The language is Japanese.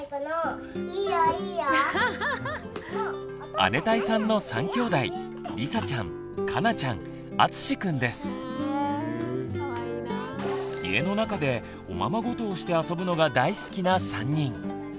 姉帶さんの３きょうだい家の中でおままごとをして遊ぶのが大好きな３人。